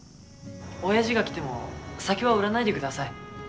おやじが来ても酒は売らないでください。